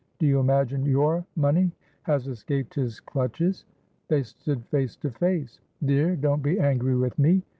Do you imagine your money has escaped his clutches?" They stood face to face. "Dear, don't be angry with me!"